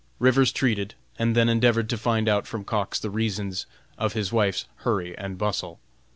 Rivers treated, and then endeavored to find out from Cox the reasons of his wife's hurry and bustle.